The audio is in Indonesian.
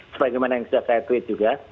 sebagaimana yang sudah saya tweet juga